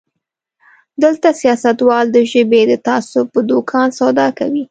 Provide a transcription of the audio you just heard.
دلته سياستوال د ژبې د تعصب په دوکان سودا کوي.